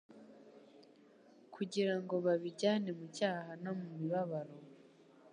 kugira ngo babijyane mu cyaha no mu mibabaro,